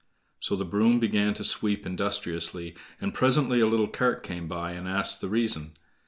So the broom began to sweep industriously, and presently a little cart came by, and asked the reason.